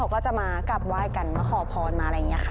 เขาก็จะมากับไหว้กันมาขอพรมาอะไรเงี้ยค่ะ